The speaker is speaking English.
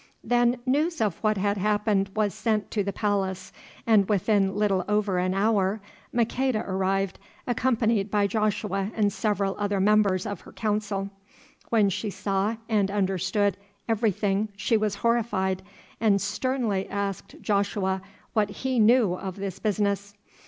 Then news of what had happened was sent to the palace, and within little over an hour Maqueda arrived, accompanied by Joshua and several other members of her Council. When she saw and understood everything she was horrified, and sternly asked Joshua what he knew of this business.